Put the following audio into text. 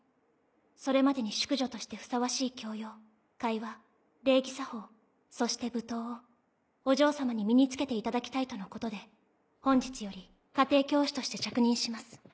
それまでに淑女としてふさわしい教養会話礼儀作法そして舞踏をお嬢様に身に付けていただきたいとのことで本日より家庭教師として着任します。